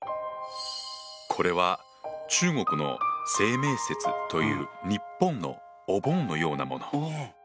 これは中国の「清明節」という日本のお盆のようなもの。